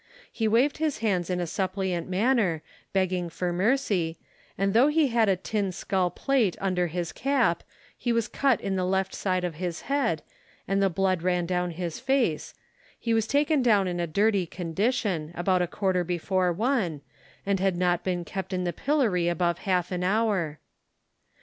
He waved his hands in a suppliant manner, begging for mercy, and though he had a tin scull plate under his cap, he was cut in the left side of his head, and the blood ran down his face, He was taken down in a dirty condition, about a quarter before one, and had not been kept in the pillory above half an hour.